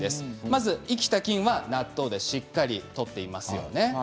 まず生きた菌は納豆でしっかりとっていますよね。